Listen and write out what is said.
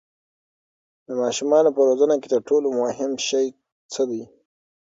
د ماشومانو په روزنه کې تر ټولو مهم شی څه دی؟